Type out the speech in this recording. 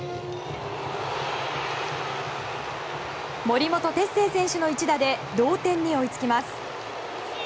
森本哲星選手の一打で同点に追いつきます。